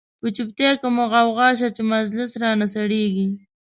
په چوپتیا کی مو غوغا شه، چه مجلس را نه سړیږی